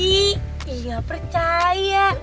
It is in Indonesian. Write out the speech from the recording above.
ih ih gak percaya